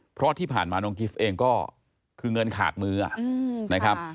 เพราะที่ผ่านมาน้องกิฟต์เองก็คือเงินขาดมือนะครับ